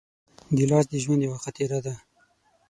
ګیلاس د ژوند یوه خاطره ده.